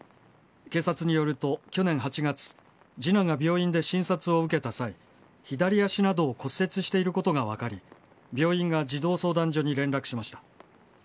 警察によると、去年８月、次男が病院で診察を受けた際、左足などを骨折していることが分かり、病院が児童相談所に連絡しました。